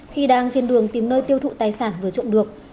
khi đang trên đường tìm nơi tiêu thụ tài sản vừa trộm được